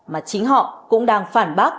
mà chính họ cũng đang phản bác